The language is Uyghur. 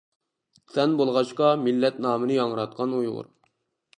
سەن بولغاچقا، مىللەت نامىنى ياڭراتقان «ئۇيغۇر» .